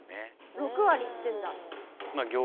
６割いってるんだ。